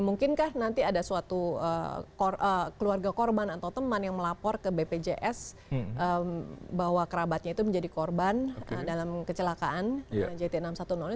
mungkinkah nanti ada suatu keluarga korban atau teman yang melapor ke bpjs bahwa kerabatnya itu menjadi korban dalam kecelakaan jt enam ratus sepuluh ini